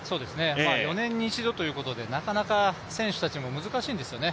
４年に一度ということでなかなか選手たちも難しいんですよね。